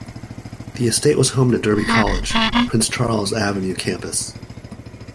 The estate was home to Derby College, Prince Charles Avenue Campus.